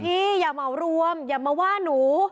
บอกพี่อย่ามาเอารวมอย่ามาว่าหนู